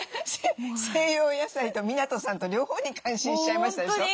西洋野菜と湊さんと両方に感心しちゃいましたでしょ？